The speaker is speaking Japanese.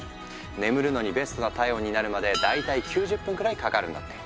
眠るのにベストな体温になるまで大体９０分くらいかかるんだって。